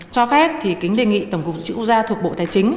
cho phép thì kính đề nghị tổng cục chữ quốc gia thuộc bộ tài chính